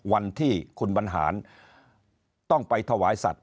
วันที่คุณบรรหารต้องไปถวายสัตว